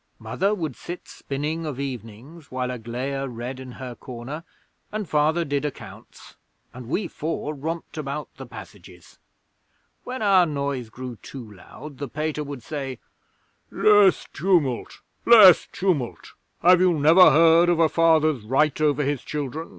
Mother would sit spinning of evenings while Aglaia read in her corner, and Father did accounts, and we four romped about the passages. When our noise grew too loud the Pater would say, "Less tumult! Less tumult! Have you never heard of a Father's right over his children?